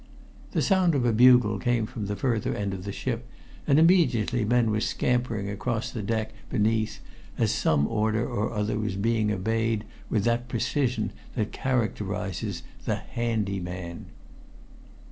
The sound of a bugle came from the further end of the ship, and immediately men were scampering along the deck beneath as some order or other was being obeyed with that precision that characterizes the "handy man."